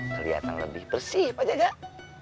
keliatan lebih bersih pak jajak